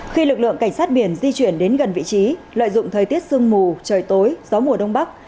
khi lực lượng cảnh sát biển di chuyển đến gần vị trí lợi dụng thời tiết sương mù trời tối gió mùa đông bắc